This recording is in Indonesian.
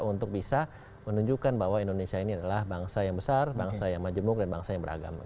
untuk bisa menunjukkan bahwa indonesia ini adalah bangsa yang besar bangsa yang majemuk dan bangsa yang beragama